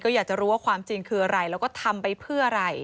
อยากจะรู้ว่าความจริงคืออะไรแล้วก็ทำไปเพื่ออะไร